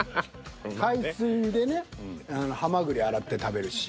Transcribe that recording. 海水でねはまぐり洗って食べるし。